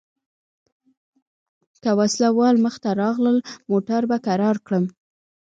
که وسله وال مخته راغلل موټر به کرار کړم.